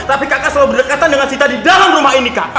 tapi kakak selalu berdekatan dengan cita di dalam rumah ini kak